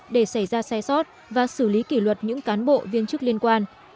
để xảy ra sai sót và xử lý kỷ luật những cán bộ viên chức liên quan